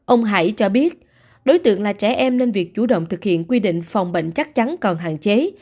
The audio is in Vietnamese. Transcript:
ông hải cho biết đối tượng là trẻ em nên việc chủ động thực hiện quy định phòng bệnh chắc chắn còn hạn chế